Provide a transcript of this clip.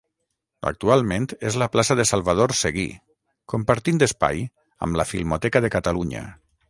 Actualment és la plaça de Salvador Seguí, compartint espai amb la Filmoteca de Catalunya.